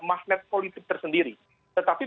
magnet politik tersendiri tetapi